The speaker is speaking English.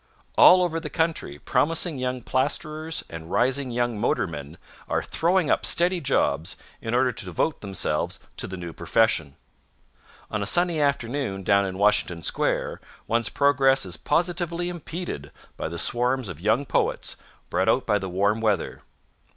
All over the country promising young plasterers and rising young motormen are throwing up steady jobs in order to devote themselves to the new profession. On a sunny afternoon down in Washington Square one's progress is positively impeded by the swarms of young poets brought out by the warm weather.